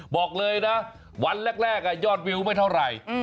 บอกเลยนะวันแรกยอดวิวไม่เท่าไหร่